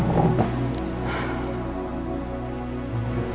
terima kasih ya